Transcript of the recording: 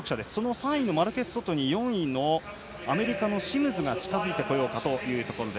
３位のマルケスソトに４位のアメリカのシムズが近づいてこようかというところ。